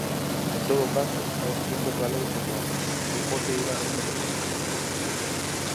En todo caso, a decisión dos galegos é clara: Feijóo seguirá sendo presidente.